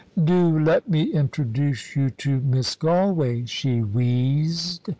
"Do let me introduce you to Miss Galway," she wheezed.